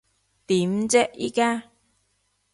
點啫依家？